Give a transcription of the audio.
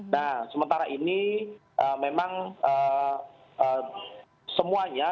nah sementara ini memang semuanya